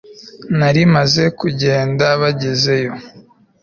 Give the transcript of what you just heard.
Nari maze kugenda bagezeyo